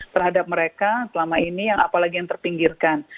terhadap mereka selama ini yang apalagi yang terpinggirkan